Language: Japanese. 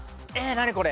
何これ？